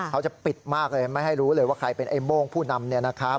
เขาจะปิดมากเลยไม่ให้รู้เลยว่าใครเป็นไอ้โม่งผู้นำเนี่ยนะครับ